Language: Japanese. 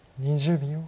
２０秒。